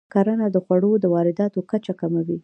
کرنه د خوړو د وارداتو کچه کموي.